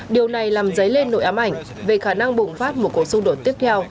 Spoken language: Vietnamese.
điều này làm dấy lên nội ám ảnh về khả năng bùng phát một cuộc xung đột tiếp theo